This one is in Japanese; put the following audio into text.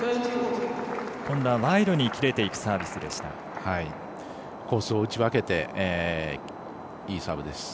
今度はワイドにきれていくサービスでした。